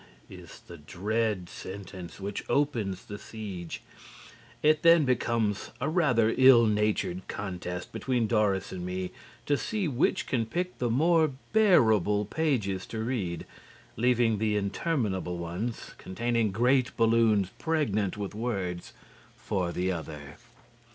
is the dread sentence which opens the siege. It then becomes a rather ill natured contest between Doris and me to see which can pick the more bearable pages to read, leaving the interminable ones, containing great balloons pregnant with words, for the other.